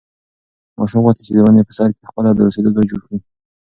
ماشوم غوښتل چې د ونې په سر کې خپله د اوسېدو ځای جوړ کړي.